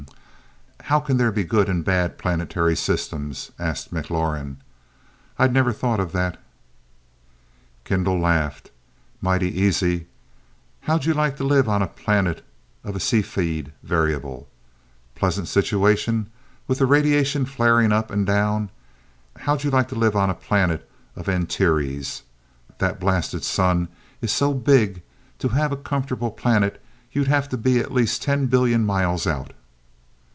"Hmm how can there be good and bad planetary systems?" asked McLaurin. "I'd never thought of that." Kendall laughed. "Mighty easy. How'd you like to live on a planet of a Cepheid Variable? Pleasant situation, with the radiation flaring up and down. How'd you like to live on a planet of Antares? That blasted sun is so big, to have a comfortable planet you'd have to be at least ten billion miles out.